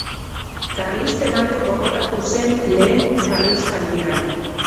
Karlisten alde borrokatu zen Lehen Karlistaldian.